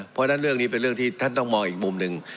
เพราะฉะนั้นเรื่องนี้เป็นเรื่องที่ท่านต้องมองอีกมุมหนึ่ง